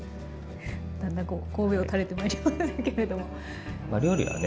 だんだんこう頭を垂れてまいりましたけれども。